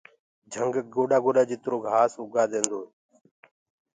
جهنٚگ گوڏآ گوڏآ جِتو گھآس اُگآنٚدوئي